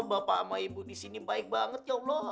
bapak sama ibu disini baik banget ya allah